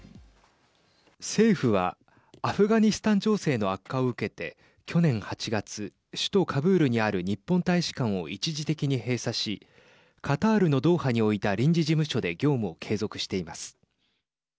政府はアフガニスタン情勢の悪化を受けて去年８月、首都カブールにある日本大使館を一時的に閉鎖しカタールのドーハに置いた臨時事務所で業務を継続しています。